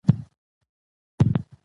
ایا د ناتاشا اداګانې د پام وړ وې؟